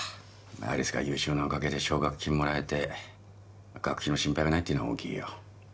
有栖が優秀なおかげで奨学金もらえて学費の心配がないっていうのは大きいよ